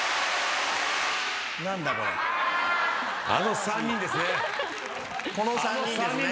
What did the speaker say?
あの３人ですね。